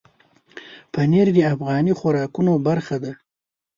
پنېر د افغاني خوراکونو برخه ده.